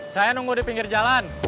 saya nunggu di pinggir jalan